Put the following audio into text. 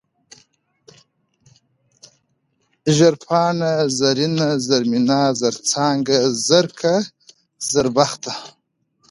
زرپاڼه ، زرينه ، زرمينه ، زرڅانگه ، زرکه ، زربخته